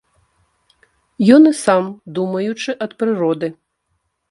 Ён і сам думаючы ад прыроды.